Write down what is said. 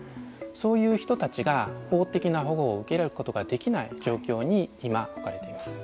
そういう人たちが法的な保護を受けることができない状況に今置かれています。